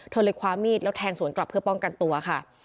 เธอเลยคว้ามีดแล้วแทงสวนกลับเพื่อป้องกันตัวค่ะ